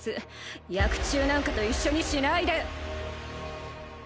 薬中なんかと一緒にしないで！